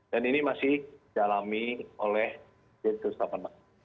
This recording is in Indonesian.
dan ini masih dialami oleh jenderal ustaz bapak